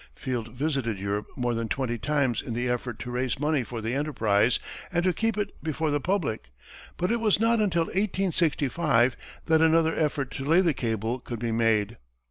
Field visited Europe more than twenty times in the effort to raise money for the enterprise and to keep it before the public, but it was not until 1865 that another effort to lay the cable could be made.